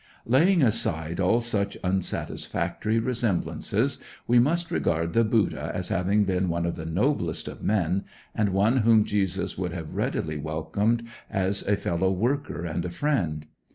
Laying aside all such unsatisfactory resemblances, we must regard the Buddha as having been one of the noblest of men, and one whom Jesus would have readily welcomed as a fellow worker and a friend.